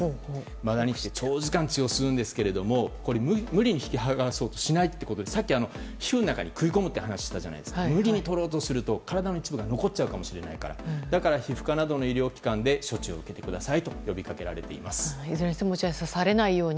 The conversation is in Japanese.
マダニって長時間血を吸うんですが無理に引き剥がそうとしないということでさっき、皮膚の中に食い込むとありましたが無理に取ろうとすると体の一部が残ってしまうかもしれないからだから、皮膚科などの医療機関で処置を受けてくださいといずれにしても落合さん